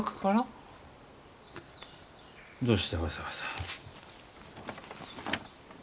どうしてわざわざ。